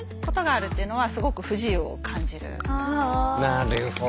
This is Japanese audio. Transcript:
なるほどね。